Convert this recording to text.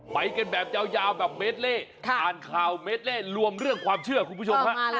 ไปกันแบบยาวแบบเมดเล่อ่านข่าวเมดเล่รวมเรื่องความเชื่อคุณผู้ชมฮะ